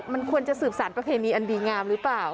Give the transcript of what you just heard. มันควรจะสืบสารประเพณีอันดีงามหรือเปล่า